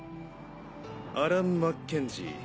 アラン・マッケンジー。